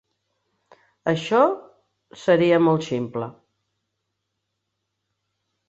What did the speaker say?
Això seria molt ximple.